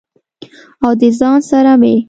او د ځان سره مې